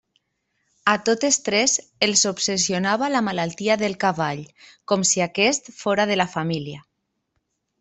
A totes tres els obsessionava la malaltia del cavall, com si aquest fóra de la família.